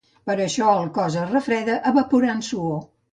Per això el cos es refreda evaporant suor.